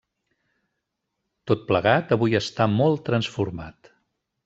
Tot plegat, avui està molt transformat.